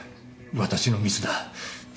私のミスだ。